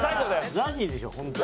ＺＡＺＹでしょ本当に。